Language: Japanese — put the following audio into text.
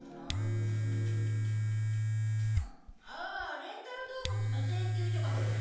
ああレンタル動物の請求書か。